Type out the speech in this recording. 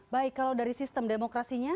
baik kalau dari sistem demokrasinya